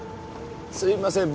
すいません